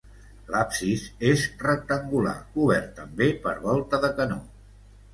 L'absis és rectangular cobert també per volta de canó.